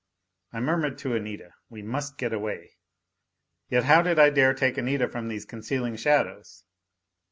I murmured to Anita, "We must get away." Yet how did I dare take Anita from these concealing shadows?